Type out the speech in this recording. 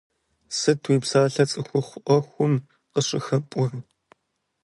Сыт уи псалъэ цӀыхухъу Ӏуэхум къыщӀыхэпӀур?